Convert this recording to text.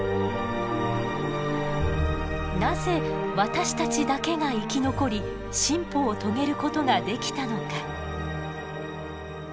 なぜ私たちだけが生き残り進歩を遂げることができたのか？